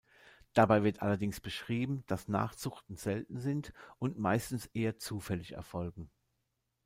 Dabei wird allerdings beschrieben, dass Nachzuchten selten sind und meistens eher zufällig erfolgen.